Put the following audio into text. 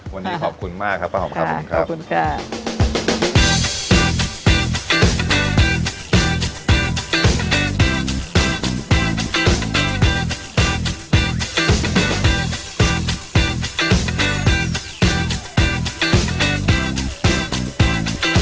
วันนี้ขอบคุณมากครับป้าหอมขอบคุณครับขอบคุณค่ะ